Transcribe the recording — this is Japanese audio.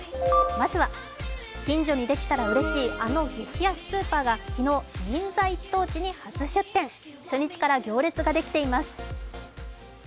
まずは近所にできたらうれしいあの激安スーパーが銀座一等地に初出店初日から行列ができています。